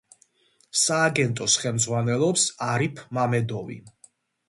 სააგენტოს ხელმძღვანელობს არიფ მამედოვი.